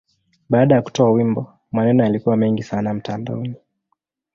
Baada ya kutoa wimbo, maneno yalikuwa mengi sana mtandaoni.